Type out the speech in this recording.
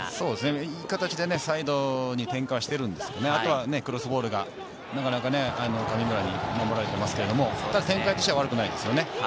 いい形でサイドに展開はしているんですが、あとはクロスボールがなかなか守られていますけれど、ただ選択肢は悪くないですね。